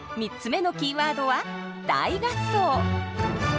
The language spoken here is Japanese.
３つ目のキーワードは「大合奏」。